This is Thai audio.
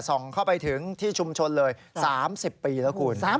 เข้าไปถึงที่ชุมชนเลย๓๐ปีแล้วคุณ